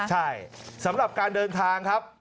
ใช่สำหรับการเดินทางครับ